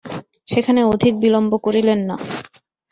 সেখানে অধিক বিলম্ব করিলেন না।